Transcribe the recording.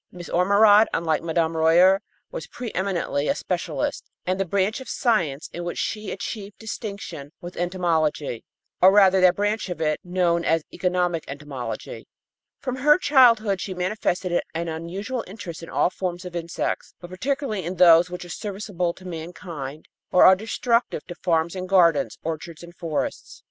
Miss Ormerod, unlike Mme. Royer, was preëminently a specialist, and the branch of science in which she achieved distinction was entomology, or rather that branch of it known as economic entomology. From her childhood she manifested an unusual interest in all forms of insects, but particularly in those which are serviceable to mankind or are destructive to farms and gardens, orchards and forests.